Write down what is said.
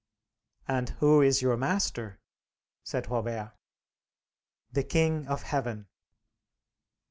"And who is your Master?" said Robert. "The King of Heaven!"